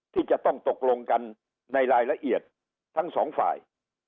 ที่จะต้องตกลงกันในรายละเอียดทั้งสองฝ่าย